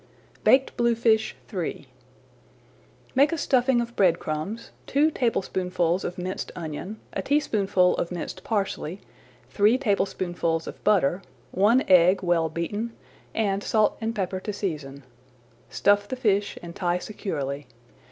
BAKED BLUEFISH III Make a stuffing of bread crumbs, two tablespoonfuls of minced onion, a teaspoonful of minced parsley, three tablespoonfuls of butter, one egg well beaten, and salt and pepper to season. Stuff the fish and tie securely.